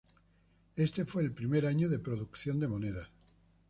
Este fue el último año de producción de monedas.